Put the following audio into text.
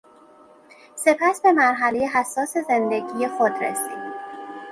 سپس به مرحلهی حساس زندگی خود رسید...